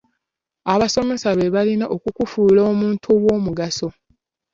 Abasomesa be balina okukufuula omuntu ow'omugaso.